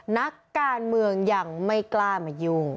นักการเมืองยังไม่กล้ามายุ่ง